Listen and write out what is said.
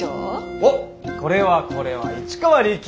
おっこれはこれは市川利休。